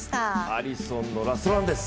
アリソンのラストランです。